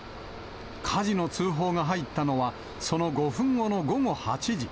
火事の通報が入ったのは、その５分後の午後８時。